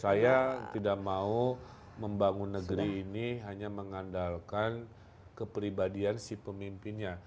saya tidak mau membangun negeri ini hanya mengandalkan kepribadian si pemimpinnya